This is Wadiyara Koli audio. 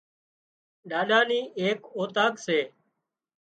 ڏاڏا نِي ايڪ اوطاق سي